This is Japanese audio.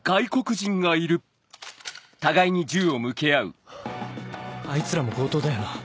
えっ⁉あいつらも強盗だよな？